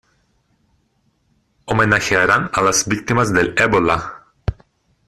¡Homenajearán a las víctimas del ébola!